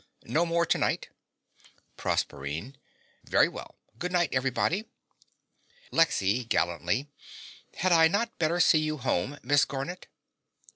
No more to night. PROSERPINE. Very well. Good night, everybody. LEXY (gallantly). Had I not better see you home, Miss Garnett?